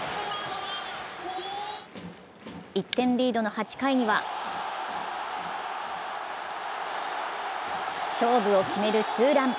１点リードの８回には勝負を決めるツーラン。